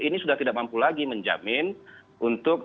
ini sudah tidak mampu lagi menjamin untuk